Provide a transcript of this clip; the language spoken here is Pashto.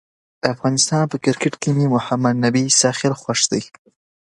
زړه د محبت سیند دی.